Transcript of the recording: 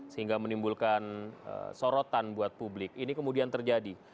sehingga menimbulkan sorotan buat publik ini kemudian terjadi